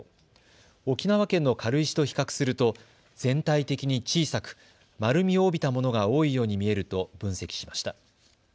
沖縄県の軽石と比較すると全体的に小さく丸みを帯びたものが多いように見えると分析しました。